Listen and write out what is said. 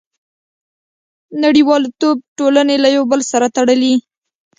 • نړیوالتوب ټولنې له یو بل سره تړلي.